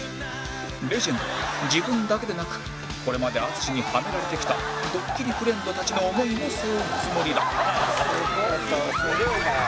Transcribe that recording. レジェンドは自分だけでなくこれまで淳にはめられてきたドッキリフレンドたちの思いも背負うつもりだ